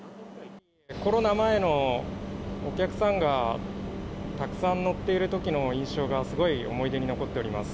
コロナ前のお客さんがたくさん乗っているときの印象が、すごい思い出に残っております。